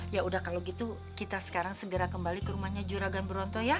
ya udah kalau gitu kita sekarang segera kembali ke rumahnya juragan bronto ya